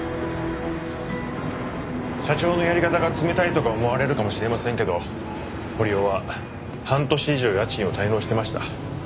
社長のやり方が冷たいとか思われるかもしれませんけど堀尾は半年以上家賃を滞納してました。